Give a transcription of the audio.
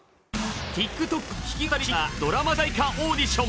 ＴｉｋＴｏｋ弾き語りシンガードラマ主題歌オーディション。